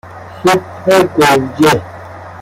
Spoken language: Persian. سوپ گوجه